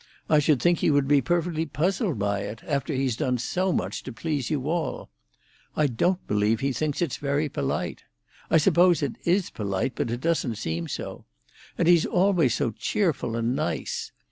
I should think he would be perfectly puzzled by it, after he's done so much to please you all. I don't believe he thinks it's very polite. I suppose it is polite, but it doesn't seem so. And he's always so cheerful and nice.